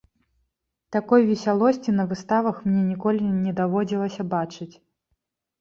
Такой весялосці на выставах мне ніколі не даводзілася бачыць.